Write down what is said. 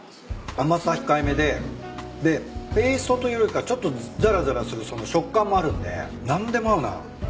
甘さ控えめででペーストというよりかちょっとざらざらする食感もあるんで何でも合うな。